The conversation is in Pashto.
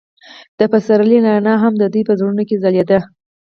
د پسرلی رڼا هم د دوی په زړونو کې ځلېده.